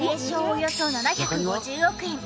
およそ７５０億円。